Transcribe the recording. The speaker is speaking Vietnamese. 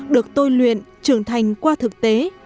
được tôi luyện trưởng thành qua thực tế